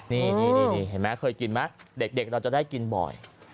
นี่เห็นไหมเคยกินไหมเด็กเราจะได้กินบ่อย